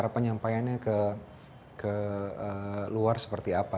penyampaiannya ke luar seperti apa